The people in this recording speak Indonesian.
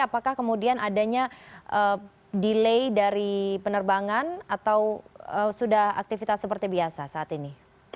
apakah kemudian adanya delay dari penerbangan atau sudah aktivitas seperti biasa saat ini